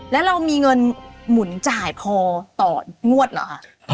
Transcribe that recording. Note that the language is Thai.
แล้วเรามีเงินหมุนจ่ายพอต่องวดเหรอคะ